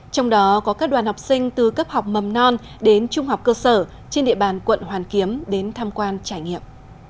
trong đó có các đoàn học sinh từ cấp học mầm non đến trung học cơ sở trên địa bàn quận hoàn kiếm đến tham quan trải nghiệm